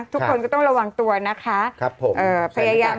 ทุกคนก็ต้องระวังตัวนะคะพยายาม